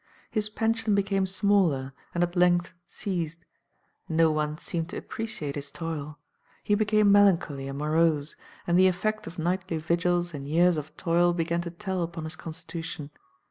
His pension became smaller, and at length ceased. No one seemed to appreciate his toil. He became melancholy and morose, and the effect of nightly vigils and years of toil began to tell upon his constitution.